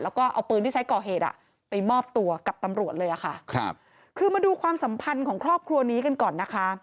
แล้วก็เอาปืนที่ใช้ก่อเหตุอ่ะไปมอบตัวกับตำรวจเลยค่ะครับคือมาดูความสัมพันธ์ของครอบครัวนี้กันก่อนนะคะ